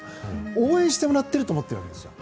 応援してもらっていると思っているんです。